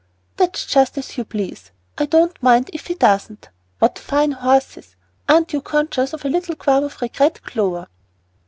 "That's just as you please. I don't mind if he doesn't. What fine horses. Aren't you conscious of a little qualm of regret, Clover?"